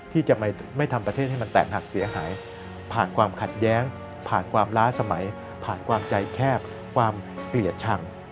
ที่จะไม่ทำประเทศให้มันแตกหักเสียหายผ่านความขัดแย้งผ่านความล้าสมัยผ่านความใจแคบความเกลียดชัง